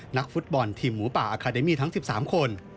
นักฟุตบอลทีมหมูป่าอาคาเดมี่ทั้ง๑๓คน